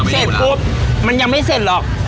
เสร็จปุ๊บมันยังไม่เสร็จหรอก